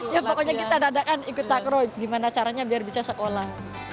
ya pokoknya kita dadakan ikut takro gimana caranya biar bisa sekolah